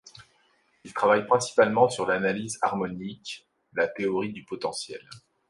Il travaille principalement sur l'analyse harmonique, la théorie du potentiel.